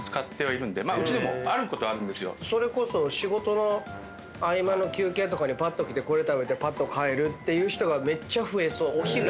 それこそ仕事の合間の休憩とかにぱっと来てこれ食べてぱっと帰るっていう人がめっちゃ増えそう。